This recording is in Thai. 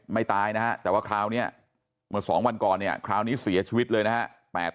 ไม่ตายนะครับแต่ว่าคราวนี้เหมือน๒วันก่อนเนี่ยคราวนี้เสียชีวิตเลยนะครับ